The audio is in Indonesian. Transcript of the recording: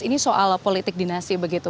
ini soal politik dinasti begitu